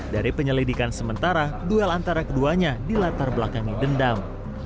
dari penyelidikan sementara duel antara keduanya di latar belakangnya dendam